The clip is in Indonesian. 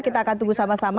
kita akan tunggu sama sama